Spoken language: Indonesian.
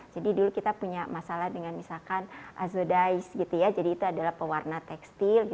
jadi dulu kita punya masalah dengan misalkan azodais jadi itu adalah pewarna tekstil